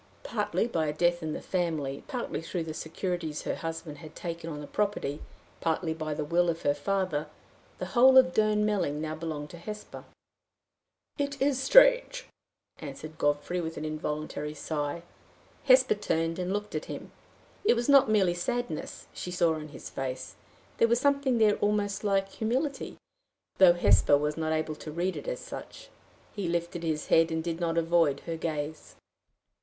Partly by a death in the family, partly through the securities her husband had taken on the property, partly by the will of her father, the whole of Durnmelling now belonged to Hesper. "It is strange," answered Godfrey, with an involuntary sigh. Hesper turned and looked at him. It was not merely sadness she saw on his face. There was something there almost like humility, though Hesper was not able to read it as such. He lifted his head, and did not avoid her gaze.